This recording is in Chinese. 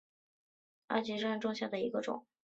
阿拉套棘豆为豆科棘豆属下的一个种。